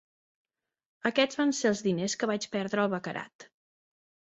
Aquests van ser els diners que vaig perdre al baccarat.